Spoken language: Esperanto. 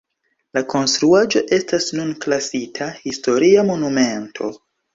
La konstruaĵo estas nun klasita Historia Monumento.